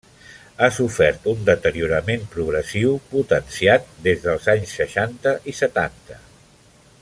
Ha sofert un deteriorament progressiu potenciat des dels anys seixanta i setanta.